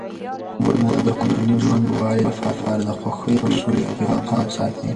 مور د کورني ژوند د ښه والي لپاره د خوښۍ او سولې پام ساتي.